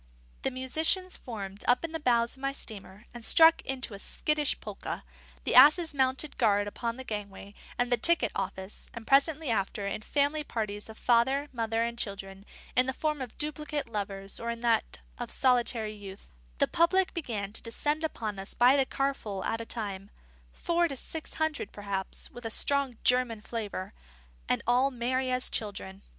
The musicians formed up in the bows of my steamer, and struck into a skittish polka; the asses mounted guard upon the gangway and the ticket office; and presently after, in family parties of father, mother, and children, in the form of duplicate lovers or in that of solitary youth, the public began to descend upon us by the carful at a time; four to six hundred perhaps, with a strong German flavour, and all merry as children.